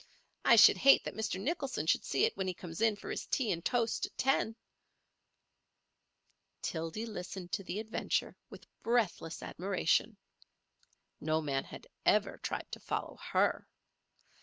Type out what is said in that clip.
I should hate that Mr. Nicholson should see it when he comes in for his tea and toast at ten." Tildy listened to the adventure with breathless admiration. No man had ever tried to follow her.